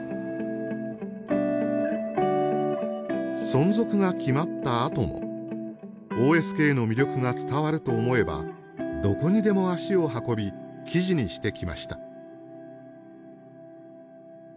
存続が決まったあともＯＳＫの魅力が伝わると思えばどこにでも足を運び記事にしてきました。